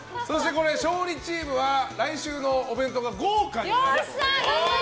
勝利チームは来週のお弁当が豪華になる。